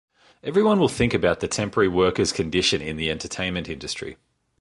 Everyone will think about the temporary workers’ condition in the entertainment industry.